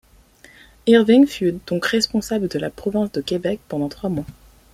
Irving fut donc responsable de la Province de Québec pendant trois mois.